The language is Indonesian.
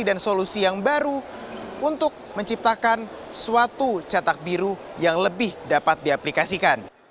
dan solusi yang baru untuk menciptakan suatu catak biru yang lebih dapat diaplikasikan